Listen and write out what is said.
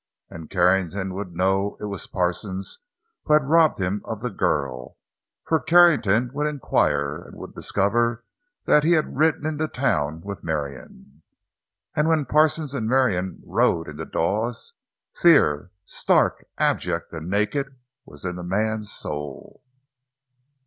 And Carrington would know it was Parsons who had robbed him of the girl; for Carrington would inquire, and would discover that he had ridden into town with Marion. And when Parsons and Marion rode into Dawes fear, stark, abject, and naked, was in the man's soul.